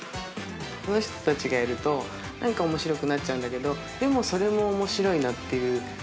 その人たちがやると、なんかおもしろくなっちゃうんだけど、でもそれもおもしろいなっていう。